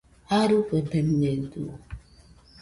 Jarɨfebemɨedɨo